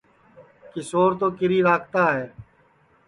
کیشور تو کیری راکھتا ہے